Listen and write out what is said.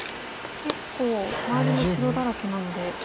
結構周りも白だらけなので。